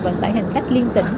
vẫn phải hành khách liên tỉnh